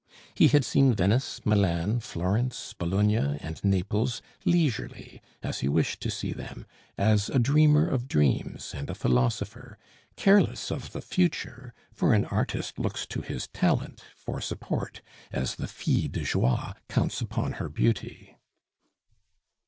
He had seen Venice, Milan, Florence, Bologna, and Naples leisurely, as he wished to see them, as a dreamer of dreams, and a philosopher; careless of the future, for an artist looks to his talent for support as the fille de joie counts upon her beauty.